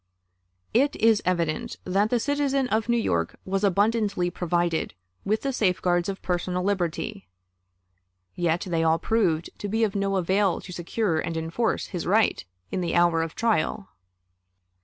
It is evident that the citizen of New York was abundantly provided with the safeguards of personal liberty; yet they all proved to be of no avail to secure and enforce his right in the hour of trial.